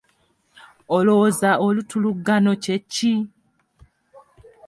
Olowooza olutuluggano kye ki?